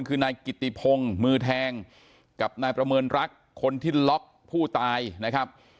คือนายกิติพงศ์มือแทงกับนายประเมินรักคนที่ล็อกผู้ตายนะครับ